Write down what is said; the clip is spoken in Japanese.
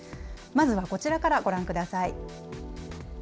まずはこちらからご覧ください。